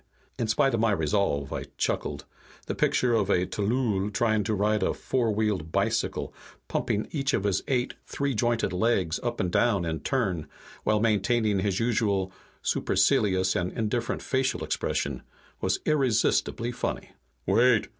In spite of my resolve, I chuckled. The picture of a tllooll trying to ride a four wheeled bicycle, pumping each of his eight three jointed legs up and down in turn, while maintaining his usual supercilious and indifferent facial expression, was irresistibly funny. "Wait!"